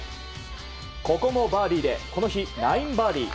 ここもバーディーでこの日９バーディー。